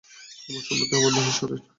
আমার সম্পত্তি আমার নহে, ঈশ্বরের।